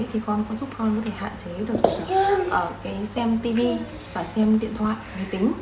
thì con có giúp con hạn chế được xem tivi và xem điện thoại người tính